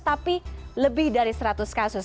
tapi lebih dari seratus kasus